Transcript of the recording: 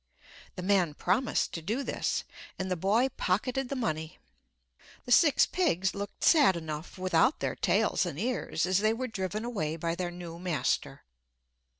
The man promised to do this, and the boy pocketed the money. The six pigs looked sad enough without their tails and ears as they were driven away by their new master.